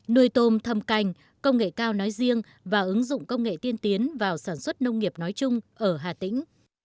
nuôi tôm thâm canh công nghệ cao nói riêng và ứng dụng công nghệ tiên tiến vào sản xuất nông nghiệp nói chung ở hà tĩnh